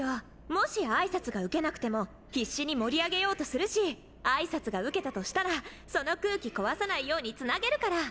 もしあいさつがウケなくても必死に盛り上げようとするしあいさつがウケたとしたらその空気壊さないようにつなげるから。